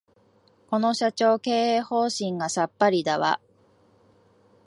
この社長、経営方針がさっぱりだわ